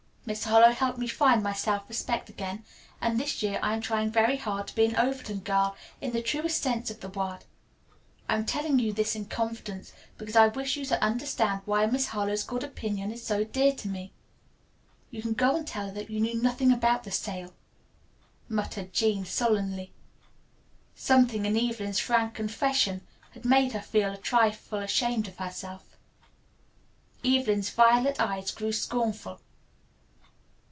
Miss Harlowe helped me find my self respect again, and this year I am trying very hard to be an Overton girl in the truest sense of the word. I am telling you this in confidence because I wish you to understand why Miss Harlowe's good opinion is so dear to me." "You can go and tell her that you knew nothing about the sale," muttered Jean sullenly. Something in Evelyn's frank confession had made her feel a trifle ashamed of herself. Evelyn's violet eyes grew scornful.